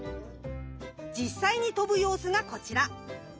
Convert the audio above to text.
実際に飛ぶ様子がこちら。